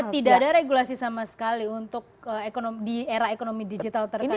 tidak ada regulasi sama sekali untuk di era ekonomi digital terkait